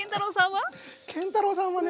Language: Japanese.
建太郎さんは？